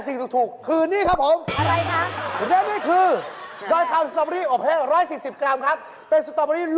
สิ่งเมื่อกี้คือสิ่งผิด